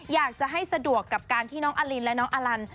อยากจะให้สะดวกกับการที่น้องอลินและน้องอลัน